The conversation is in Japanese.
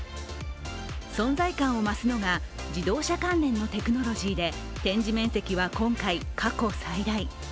存在感を増すのが自動車関連のテクノロジーで展示面積は今回過去最大。